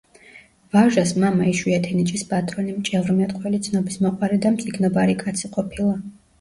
ვაჟას მამა იშვიათი ნიჭის პატრონი, მჭევრმეტყველი, ცნობისმოყვარე და მწიგნობარი კაცი ყოფილა.